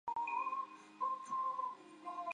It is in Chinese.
这是鉴别新型隐球菌的快速方法。